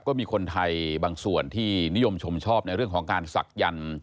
ก็มีคนไทยบางส่วนที่นิยมชมชอบในเรื่องของการศักดิ์